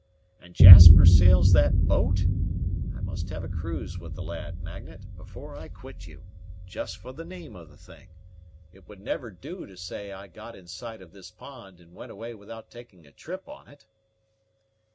And Jasper sails that boat? I must have a cruise with the lad, Magnet, before I quit you, just for the name of the thing. It would never do to say I got in sight of this pond, and went away without taking a trip on it."